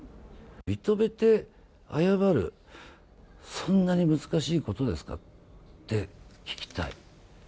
認めて謝る、そんなに難しいことですかって聞きたい。